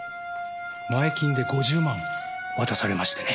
前金で５０万渡されましてね。